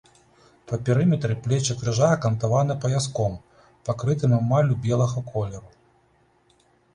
Па перыметры плечы крыжа акантаваны паяском, пакрытым эмаллю белага колеру.